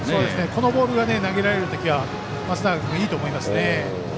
このボールが投げられる時は松永君、いいと思いますね。